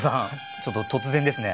ちょっと突然ですね。